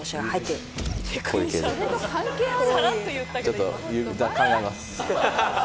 ちょっと指考えます。